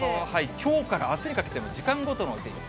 きょうからあすにかけての時間ごとのお天気。